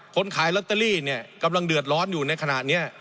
ขายลอตเตอรี่เนี่ยกำลังเดือดร้อนอยู่ในขณะนี้